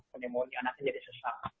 pneumonia nanti jadi sesak